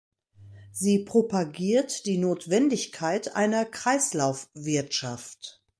Sie propagiert die Notwendigkeit einer Kreislaufwirtschaft.